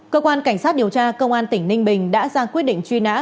cơ quan cảnh sát điều tra công an tỉnh ninh bình đã ra quyết định truy nã